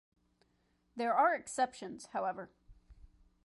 There are exceptions, however.